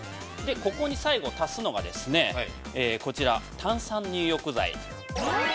ここに最後足すのがこちら、炭酸入浴剤。